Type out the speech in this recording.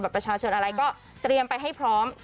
ประชาชนอะไรก็เตรียมไปให้พร้อม